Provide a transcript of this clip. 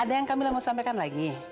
ada yang kamilah mau sampaikan lagi